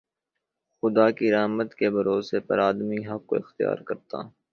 خدا کی رحمت کے بھروسے پر آدمی حق کو اختیار کرتا